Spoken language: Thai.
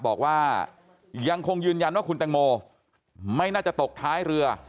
บอกว่ายังคงยืนยันว่าคุณแตงโมไม่น่าจะตกท้ายเรือ